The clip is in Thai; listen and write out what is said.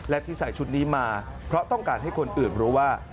และที่ใส่ชุดนี้มาเพราะต้องการให้คนอื่นรู้ว่า